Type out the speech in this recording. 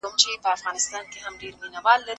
که انلاین فورم فعال وي، پوښتني بې ځوابه نه پاته کېږي.